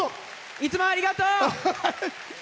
いつもありがとう！